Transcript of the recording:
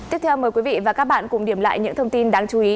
tiếp theo mời quý vị và các bạn cùng điểm lại những thông tin đáng chú ý